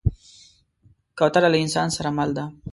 کوتره له انسان سره مل ده.